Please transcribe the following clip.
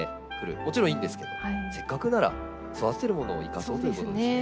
もちろんいいんですけどせっかくなら育ててるものを生かそうそうですね。